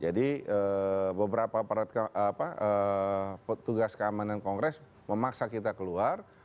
jadi beberapa petugas keamanan kongres memaksa kita keluar